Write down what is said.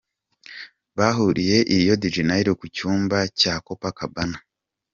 Bahuriye i Rio de Janeiro ku cyambu cya Copacabana.